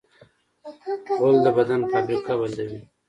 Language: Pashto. غول د بدن فابریکه بندوي.